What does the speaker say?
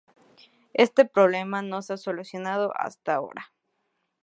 Este problema no se ha solucionado hasta ahora.